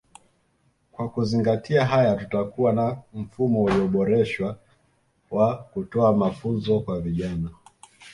Kwa kuzingatia haya tutakuwa na mfumo ulioboreshwa wa kutoa mafunzo kwa vijana